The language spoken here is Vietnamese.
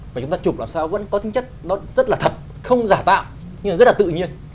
và chúng ta chụp làm sao vẫn có tính chất nó rất là thật không giả tạo nhưng rất là tự nhiên